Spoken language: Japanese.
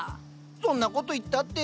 そんなこと言ったって。